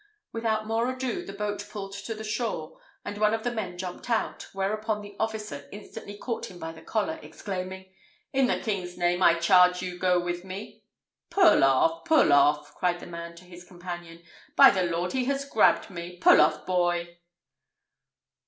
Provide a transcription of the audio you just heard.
Without more ado, the boat pulled to the shore, and one of the men jumped out, whereupon the officer instantly caught him by the collar, exclaiming "In the king's name I charge you go with me!" "Pull off! pull off!" cried the man to his companion; "by the Lord, he has grabbed me! Pull off, boy!"